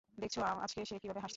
দেখেছো আজকে সে কিভাবে হাসছে।